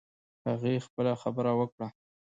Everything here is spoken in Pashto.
هغې خپله خبره وکړه